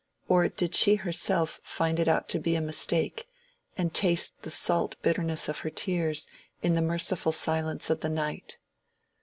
or did she herself find it out to be a mistake, and taste the salt bitterness of her tears in the merciful silence of the night?